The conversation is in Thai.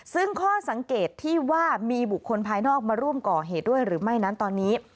ซึ่งข้อสังเกตที่ว่ามีบุคคลภายนอกมาร่วมก่อเหตุด้วยหรือไม่นั้นตอนนี้